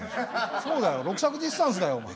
そうだよ「六尺ディスタンス」だよお前。